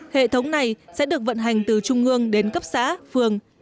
hệ thống này sẽ được vận hành từ trung ương đến cấp xã phường